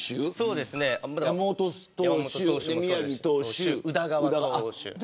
山本投手、宮城投手宇田川投手。